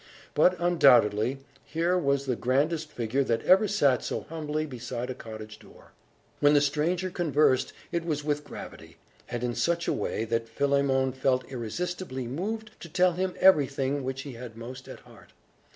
But, undoubtedly, here was the grandest figure that ever sat so humbly beside a cottage door. When the stranger conversed, it was with gravity, and in such a way that Philemon felt irresistibly moved to tell him everything which he had most at heart.